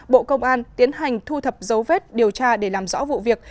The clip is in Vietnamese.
bộ công an tiến hành thu thập dấu vết điều tra để làm rõ vụ việc